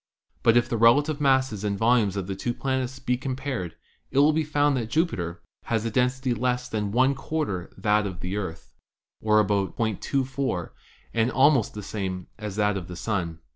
But if the relative masses and volumes of the two planets be com pared, it will be found that Jupiter has a density less than one quarter that of the Earth, or .24, and almost the same as that of the Sun.